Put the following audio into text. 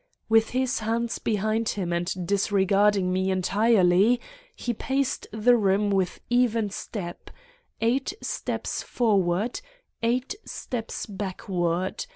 With his hands behind him and disre garding me entirely he paced the room with even step: eight steps forward, eight steps backward.